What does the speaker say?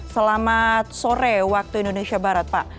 selamat sore waktu indonesia barat pak